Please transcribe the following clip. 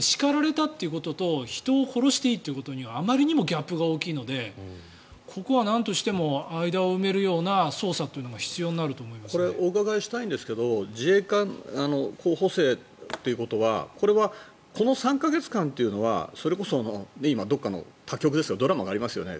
叱られたっていうことと人を殺していいということにはあまりにもギャップが大きいのでここはなんとしても間を埋めるような捜査というのがお伺いしたいんですけど自衛官候補生ということはこれは、この３か月間というのはそれこそ、今どこかの他局でドラマがありますよね。